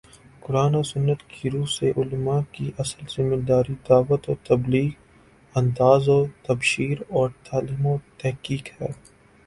قرآن و سنت کی رو سے علما کی اصل ذمہ داری دعوت و تبلیغ، انذار و تبشیر اور تعلیم و تحقیق ہے